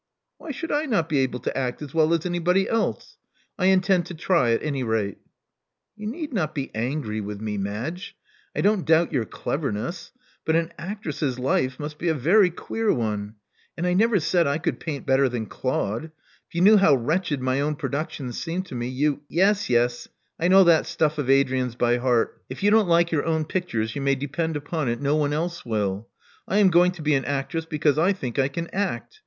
* Why should I not be able to act as well as anybody else? I intend to try, at any rate." "You need not be angry with me, Madge. I don't doubt your cleverness; but an actress's life must be a very queer one. And I never said I could paint better than Claude. If you knew how wretched my own productions seem to me, you " "Yes, yes: I know all that stuflE of Adrian's by heart. If you don't like your own pictures, you may depend upon it no one else will. I am going to be an actress because I think I can act.